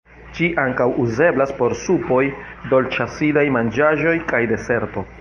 Ĝi ankaŭ uzeblas por supoj, dolĉ-acidaj manĝaĵoj kaj deserto.